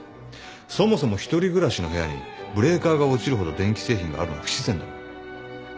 そもそも一人暮らしの部屋にブレーカーが落ちるほど電気製品があるのは不自然だろ。